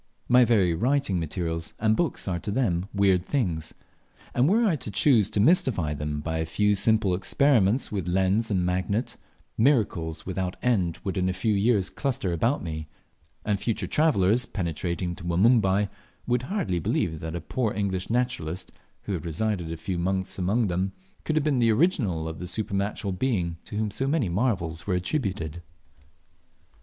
My very writing materials and books are to them weird things; and were I to choose to mystify them by a few simple experiments with lens and magnet, miracles without end would in a few years cluster about me; and future travellers, penetrating to Wanumbai, world h hardly believe that a poor English naturalist, who had resided a few months among them, could have been the original of the supernatural being to whom so many marvels were attributed.